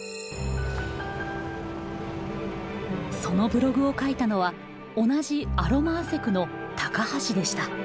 そのブログを書いたのは同じアロマアセクの高橋でした。